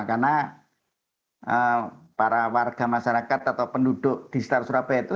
karena para warga masyarakat atau penduduk di setar surabaya itu